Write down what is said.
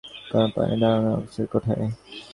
গরম পানির ঝরনা অবস্থিত কোথায়?